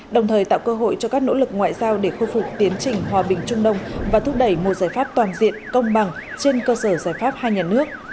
đồng thời tạo cơ hội cho các nỗ lực ngoại giao để khôi phục tiến trình hòa bình trung đông và thúc đẩy một giải pháp toàn diện công bằng trên cơ sở giải pháp hai nhà nước